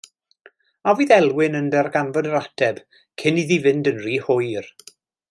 A fydd Elwyn yn darganfod yr ateb cyn iddi fynd yn rhy hwyr?